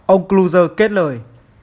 ông kluger kết lời